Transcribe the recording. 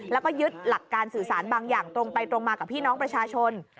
แล้วก็ยึดหลักการสื่อสารบางอย่างตรงไปตรงมากับพี่น้องประชาชน